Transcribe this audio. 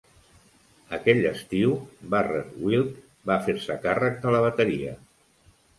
Aquell estiu, Barrett Wilke va fer-se càrrec de la bateria.